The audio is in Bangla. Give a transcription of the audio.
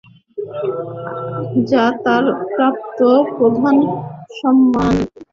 যা তার প্রাপ্ত প্রথম সম্মান।